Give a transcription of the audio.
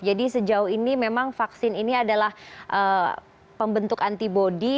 jadi sejauh ini memang vaksin ini adalah pembentuk antibody